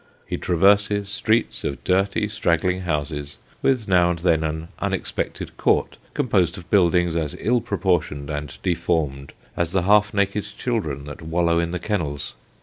He traverses streets of dirty straggling houses, with now and then an unexpected court composed of buildings as ill proportioned and deformed as the half naked children that wallow in the kennels.